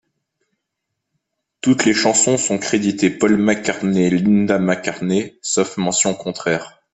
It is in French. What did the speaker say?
Toutes les chansons sont créditées Paul McCartney - Linda McCartney, sauf mention contraire.